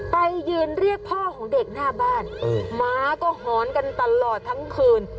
ไปยืนเรียกพ่อของเด็กหน้าบ้านหมาก็หอนกันตลอดทั้งคืน